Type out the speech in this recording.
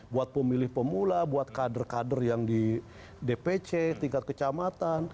buat pemilih pemula buat kader kader yang di dpc tingkat kecamatan